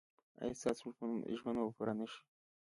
ایا ستاسو ژمنه به پوره نه شي؟